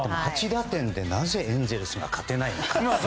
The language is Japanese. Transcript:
８打点でなぜエンゼルスが勝てないのか。